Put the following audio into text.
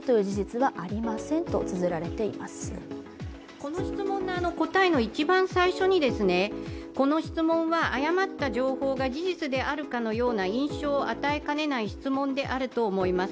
この質問の答えの一番最初にこの質問は誤った情報が事実であるかのような印象を与えかねない質問であると思います。